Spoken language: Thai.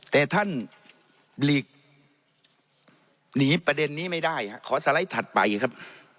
แต่ท่านหลีกหนีประเด็นนี้ไม่ได้ขอสไลด์ถัดไปครับ